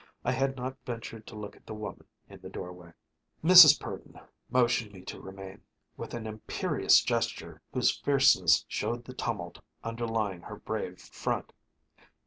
I had not ventured to look at the woman in the doorway. Mrs. Purdon motioned me to remain, with an imperious gesture whose fierceness showed the tumult underlying her brave front.